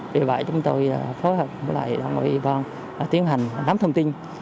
vì vậy chúng tôi phối hợp với lại đồng hội y tế tiến hành đám thông tin